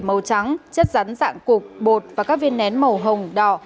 màu trắng chất rắn dạng cục bột và các viên nén màu hồng đỏ